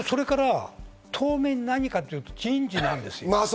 当面何かというと人事です。